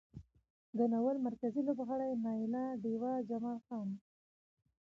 د ناول مرکزي لوبغاړي نايله، ډېوه، جمال خان،